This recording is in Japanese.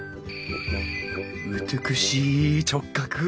美しい直角。